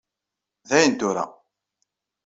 D ayen tura.